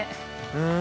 うん。